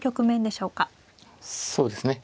そうですね